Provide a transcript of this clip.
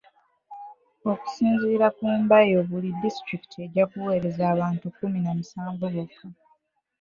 Okusinziira ku Mbayo buli disitulikiti ejja kuweereza abantu kkumi na musanvu bokka.